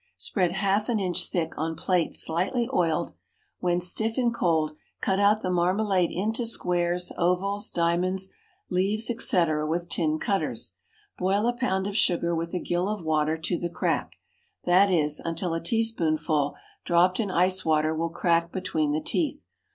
Spread half an inch thick on plates slightly oiled; when stiff and cold, cut out the marmalade into squares, ovals, diamonds, leaves, etc., with tin cutters. Boil a pound of sugar with a gill of water to the crack that is, until a teaspoonful dropped in ice water will crack between the teeth.